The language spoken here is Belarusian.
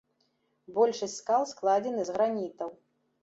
Большасць скал складзены з гранітаў.